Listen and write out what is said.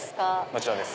もちろんです。